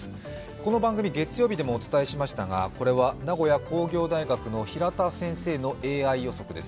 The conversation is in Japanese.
この番組、月曜日でもお伝えしましたがこれは名古屋工業大学の平田先生のＡＩ予測です。